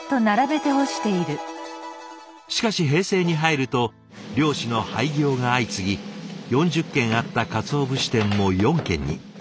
しかし平成に入ると漁師の廃業が相次ぎ４０軒あった鰹節店も４軒に。